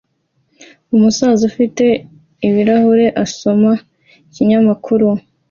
Umusaza ufite ibirahure asoma ikinyamakuru